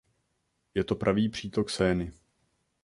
Je to pravý přítok Seiny.